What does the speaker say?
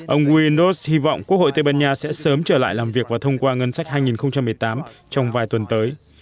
ông guinos hy vọng quốc hội tây ban nha sẽ sớm trở lại làm việc và thông qua ngân sách hai nghìn một mươi tám trong vài tuần tới